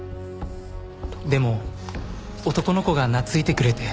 でも男の子が懐いてくれて。